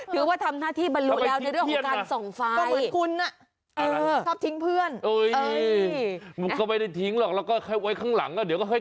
ถือว่าทำหน้าที่บรรลุแล้วในเรื่องของการส่องฟ้า